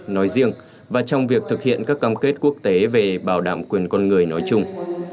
nói riêng và trong việc thực hiện các cam kết quốc tế về bảo đảm quyền con người nói chung